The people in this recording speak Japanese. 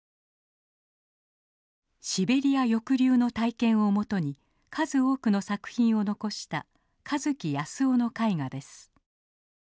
シベリア抑留の体験をもとに数多くの作品を残した香月泰男の絵画です。